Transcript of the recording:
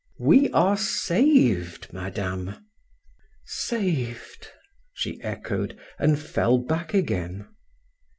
"We are saved, madame!" "Saved!" she echoed, and fell back again.